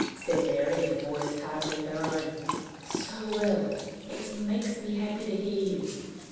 said Mary, in a voice hardly her own, " so well! It makes me happy to hear you!